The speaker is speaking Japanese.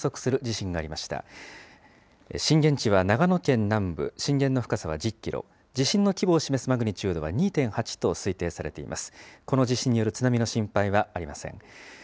震源地は長野県南部、震源の深さは１０キロ、地震の規模を示すマグニチュードは２．８と推定されています。